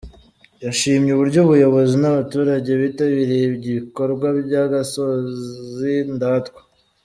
Yashimye uburyo ubuyobozi n’abaturage bitabiriye ibikorwa by’agasozi ndatwa.